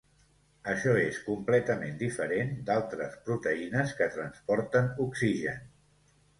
Això és completament diferent d'altres proteïnes que transporten oxigen.